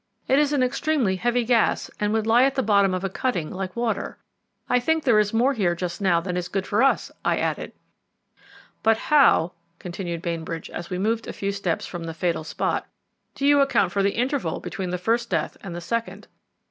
It is an extremely heavy gas, and would lie at the bottom of a cutting like water. I think there is more here just now than is good for us," I added. "But how," continued Bainbridge, as we moved a few steps from the fatal spot, "do you account for the interval between the first death and the second?"